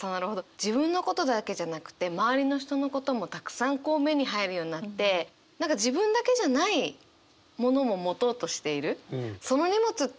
自分のことだけじゃなくて周りの人のこともたくさんこう目に入るようになって何か自分だけじゃないものも持とうとしている。